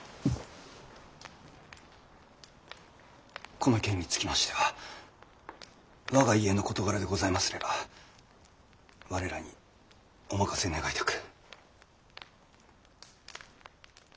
この件につきましては我が家の事柄でございますれば我らにお任せ願いたく。